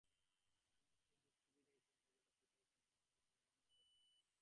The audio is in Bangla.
মোহাম্মদ সবুজ শিবিরের কর্মী বলে স্বীকার করেছেন তাঁর মামা মনোয়ার হোসেন।